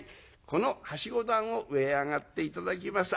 この梯子段を上へ上がって頂きます。